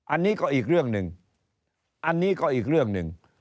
อันนี้ก็อีกเรื่องหนึ่งอันนี้ก็อีกเรื่องหนึ่ง